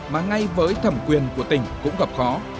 mà ngay với thẩm quyền của tỉnh cũng gặp khó